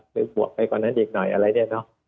หรือบวกไปกว่านั้นอีกหน่อยอะไรเนี่ยเนอะ